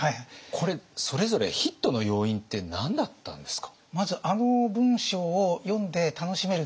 これそれぞれヒットの要因って何だったんですか？